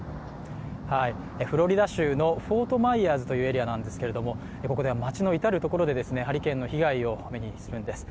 フロリダ州のフォートマイヤーズというエリアなんですけれどもここでは街の至る所でハリケーンの被害を目にするんです。